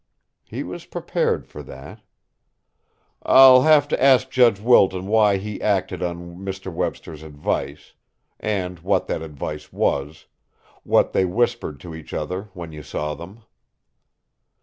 He was prepared for that. "I'll have to ask Judge Wilton why he acted on Mr. Webster's advice and what that advice was, what they whispered to each other when you saw them."